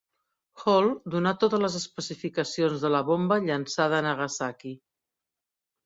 Hall donà totes les especificacions de la bomba llançada a Nagasaki.